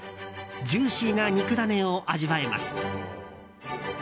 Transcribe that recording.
ジューシーな肉ダネを味わえます。